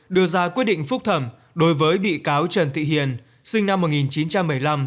đưa ra quyết định phúc thẩm đối với bị cáo trần thị hiền sinh năm một nghìn chín trăm bảy mươi năm